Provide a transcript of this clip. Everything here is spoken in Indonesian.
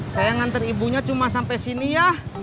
saya nganter ibunya cuma sampai sini ya